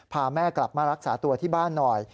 พาแม่กลับมารักษาตัวที่บ้านหน่อย